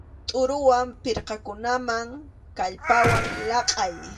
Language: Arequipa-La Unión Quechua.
Tʼuruwan pirqakunaman kallpawan laqʼay.